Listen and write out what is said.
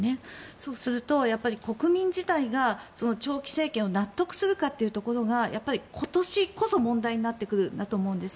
そうすると、国民自体が長期政権を納得するかというところがやっぱり、今年こそ問題になってくるんだと思うんです。